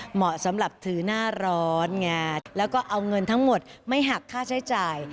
เหมาะสำหรับถือหน้าร้อนไงแล้วก็เอาเงินทั้งหมดไม่หักค่าใช้จ่าย